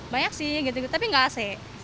banyak sih gitu tapi nggak ac